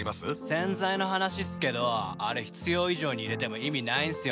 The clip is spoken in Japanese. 洗剤の話っすけどあれ必要以上に入れても意味ないんすよね。